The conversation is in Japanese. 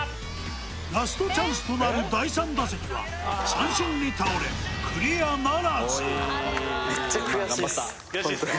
ラストチャンスとなる第３打席は三振に倒れクリアならず悔しいっすか？